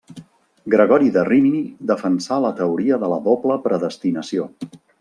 Gregori de Rímini defensà la teoria de la doble predestinació.